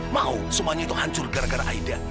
mau semuanya itu hancur gara gara aida